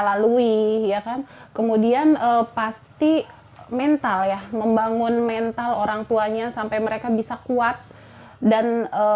lalui ya kan kemudian pasti mental ya membangun mental orang tuanya sampai mereka bisa kuat dan